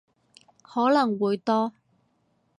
可能會多